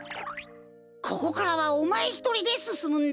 ここからはおまえひとりですすむんだ。